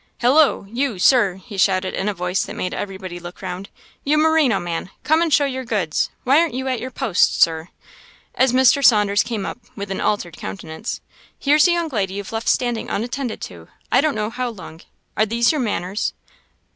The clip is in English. "Hallo! you, Sir!" he shouted, in a voice that made everybody look round; "you merino man! come and show your goods. Why aren't you at your post, Sir?" as Mr. Saunders came up, with an altered countenance "here's a young lady you've left standing unattended to, I don't know how long; are these your manners?"